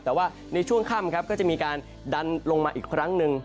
แต่ว่าในช่วงค่ำครับก็จะมีการดันลงมาอีกครั้งหนึ่ง